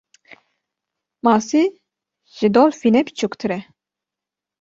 Masî ji dolfînê biçûktir e.